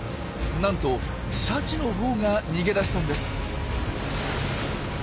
なんとシャチのほうが逃げ出したんです。